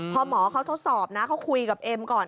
พอหมอเขาทดสอบนะเขาคุยกับเอ็มก่อน